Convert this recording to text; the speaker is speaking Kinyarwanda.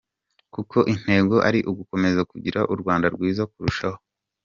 Kuko intego ari ugukomeza “kugira u Rwanda rwiza kurushaho.